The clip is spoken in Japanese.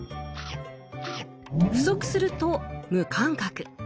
不足すると「無感覚」。